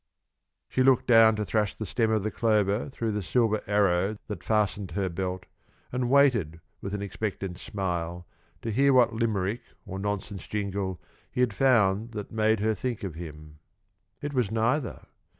She looked down to thrust the stem of the clover through the silver arrow that fastened her belt, and waited with an expectant smile to hear what Limerick or nonsense jingle he had found that made him think of her. It was neither.